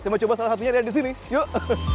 saya mau coba salah satunya dari sini yuk